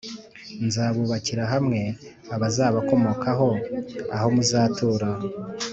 Nzabubakira hamwe abazabakomokaho aho muzatura